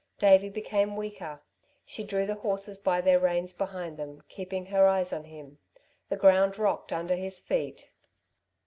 Davey became weaker. She drew the horses by their reins behind them, keeping her eyes on him. The ground rocked under his feet.